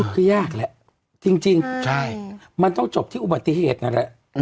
พูดก็ยากแหละจริงจริงใช่มันต้องจบที่อุบัติเหตุนั้นแหละ